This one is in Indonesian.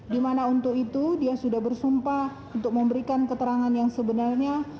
di mana untuk itu dia sudah bersumpah untuk memberikan keterangan yang sebenarnya